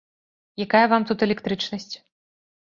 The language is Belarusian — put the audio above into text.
Якая вам тут электрычнасць.